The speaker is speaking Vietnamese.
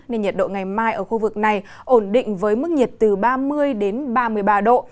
nên nhiệt độ ngày mai ở khu vực này ổn định với mức nhiệt từ ba mươi đến ba mươi ba độ